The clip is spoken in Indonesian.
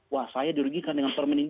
wah saya dirugikan dengan permen ini